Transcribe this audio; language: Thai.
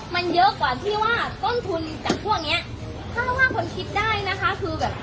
มันเยอะกว่าที่ว่าต้นทุนจากพวกเนี้ยถ้าว่าคนคิดได้นะคะคือแบบ